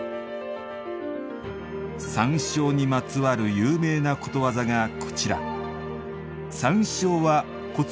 「山椒」にまつわる有名なことわざがこちら。